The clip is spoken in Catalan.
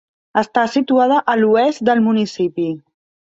Està situada a l'oest del municipi.